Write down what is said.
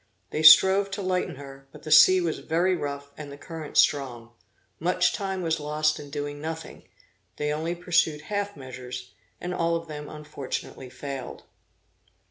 They strove to lighten her, but the sea was very rough and the current strong. Much time was lost in doing nothing; they only pursued half measures and all of them unfortunately failed.